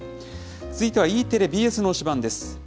続いてはＥテレ、ＢＳの推しバンです。